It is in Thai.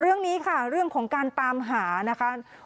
เรื่องนี้ค่ะเรื่องของการตามหานะคะ